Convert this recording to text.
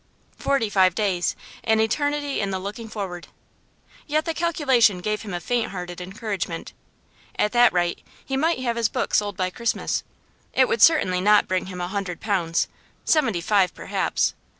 Forty five days; an eternity in the looking forward. Yet the calculation gave him a faint hearted encouragement. At that rate he might have his book sold by Christmas. It would certainly not bring him a hundred pounds; seventy five perhaps.